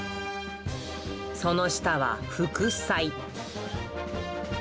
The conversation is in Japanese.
その下は副菜。